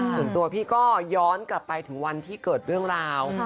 ส่วนตัวพี่ก็ย้อนกลับไปถึงวันที่เกิดเรื่องราว